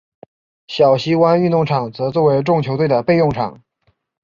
小西湾运动场则作为众球队的备用场。